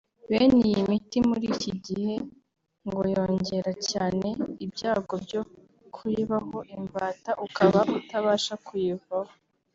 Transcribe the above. Bene iyi miti muri iki gihe ngo yongera cyane ibyago byo kuyibaho imbata ukaba utabasha kuyivaho